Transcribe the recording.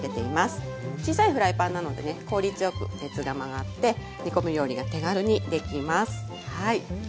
小さいフライパンなのでね効率よく熱が回って煮込み料理が手軽にできますはい。